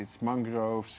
itu adalah anggota